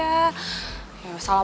salah pak amir